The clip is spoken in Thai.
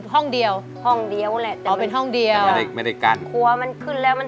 ห้องเดียวห้องเดียวแหละแต่ว่าเป็นห้องเดียวไม่ได้ไม่ได้กั้นครัวมันขึ้นแล้วมัน